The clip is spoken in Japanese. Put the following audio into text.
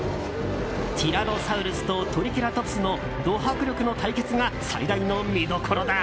ティラノサウルスとトリケラトプスのド迫力の対決が最大の見どころだ。